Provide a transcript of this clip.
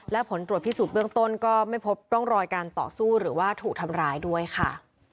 และผลตรวจพิสูจน์เบื้องต้นก็ไม่พบร่องรอยการต่อสู้หรือว่าถูกทำร้ายด้วยค่ะ